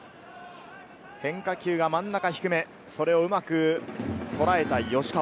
変化球が真ん中低め、それをうまく捉えた吉川。